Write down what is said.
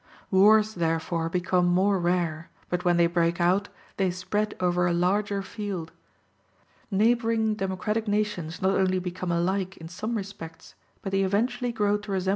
Wars therefore become more rare, but when they break out they spread over a larger field. Neighboring democratic nations not only become alike in some respects, but they eventually grow to resemble each other in almost all.